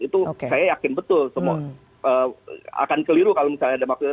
itu saya yakin betul semua akan keliru kalau misalnya ada maksud